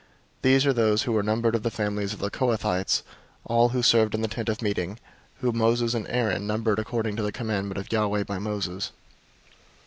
004:037 These are those who were numbered of the families of the Kohathites, all who served in the Tent of Meeting, whom Moses and Aaron numbered according to the commandment of Yahweh by Moses.